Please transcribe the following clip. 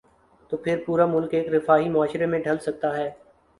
تو پھر پورا ملک ایک رفاہی معاشرے میں ڈھل سکتا ہے۔